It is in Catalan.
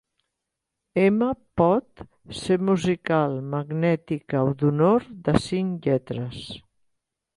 M Pot ser musical, magnètica o d'honor, de cinc lletres.